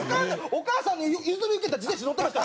お母さんに譲り受けた自転車乗ってました